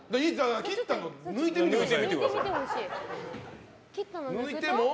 切ったの抜いてみてくださいよ。